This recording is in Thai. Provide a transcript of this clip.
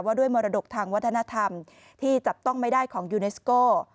ด้วยมรดกทางวัฒนธรรมที่จับต้องไม่ได้ของยูเนสโก้